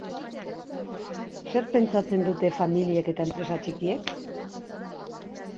Zer pentsatzen dute familiek eta enpresa txikiek?